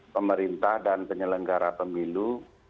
pemerintah dan penyelenggara pemilu